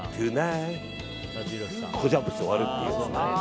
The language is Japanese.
ジャンプして終わるっていう。